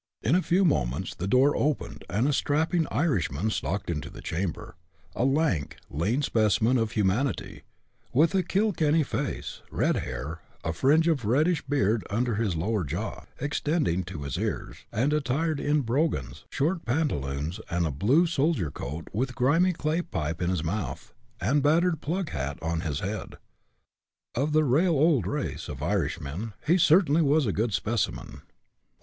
In a few moments the door opened and a strapping Irishman stalked into the chamber, a lank, lean specimen of humanity, with a Killkenny face, red hair, a fringe of reddish beard under his lower jaw, extending to his ears, and attired in brogans, short pantaloons, and a blue soldier coat, with a grimy clay pipe in his mouth, and battered plug hat on his head. Of the "rale old" race of Irishmen, he was certainly a good specimen.